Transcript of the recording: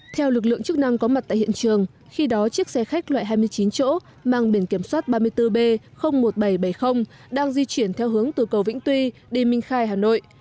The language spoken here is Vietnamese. theo lực lượng chức năng có mặt tại hiện trường khi đó chiếc xe khách loại hai mươi chín chỗ mang biển kiểm soát ba mươi bốn b một nghìn bảy trăm bảy mươi đang di chuyển theo hướng từ cầu vĩnh tuy đi minh khai hà nội